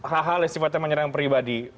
hal hal yang sifatnya menyerang pribadi